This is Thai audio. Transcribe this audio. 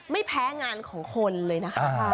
ไม่แพ้งานของคนเลยนะคะ